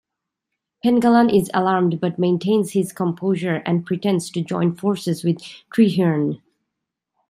Pengallan is alarmed, but maintains his composure and pretends to join forces with Trehearne.